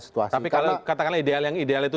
situasi tapi kalau katakan ideal yang ideal itu